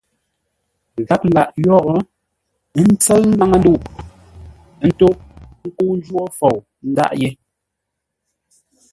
Gháp lâʼ yórə́, ə́ ntsə́ʉ laŋə́-ndə̂u, ə́ ntó ńkə́u wó ńjwó fou ńdâʼ yé.